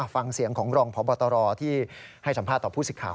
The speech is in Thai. ฟังเสียงของรองพบตรที่ให้สัมภาษณ์ต่อผู้สิทธิ์ข่าว